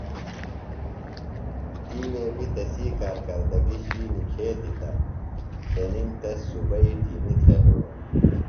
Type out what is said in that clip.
تِیوے بیۡ تسی کارکردگیۡ شُوئی نِکھتیۡ تہ تنِم تس صوبئی ٹِیمیۡ تھےۡ ہِڑو۔